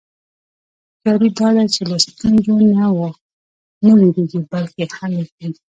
هوښیاري دا ده چې له ستونزو نه و نه وېرېږې، بلکې حل یې کړې.